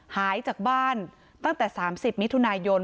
หายจากบ้านตั้งแต่๓๐มิถุนายน